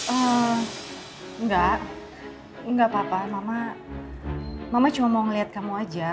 oh enggak enggak apa apa mama cuma mau ngeliat kamu aja